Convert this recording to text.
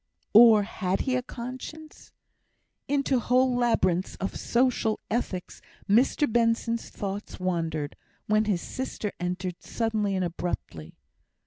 Or had he a conscience? Into whole labyrinths of social ethics Mr Benson's thoughts wandered, when his sister entered suddenly and abruptly.